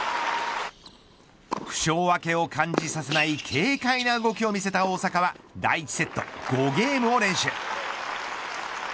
負傷明けを感じさせない軽快な動きを見せた大坂は第１セット、５ゲームを連取。